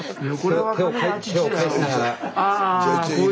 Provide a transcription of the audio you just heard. はい。